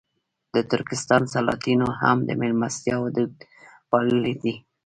د ترکستان سلاطینو هم د مېلمستیاوو دود پاللی دی.